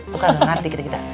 lo kan gak ngerti kira kira